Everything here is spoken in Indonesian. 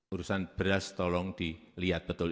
urusan beras tolong dilihat betul